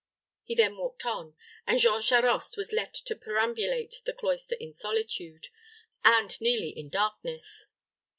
He then walked on, and Jean Charost was left to perambulate the cloister in solitude, and nearly in darkness.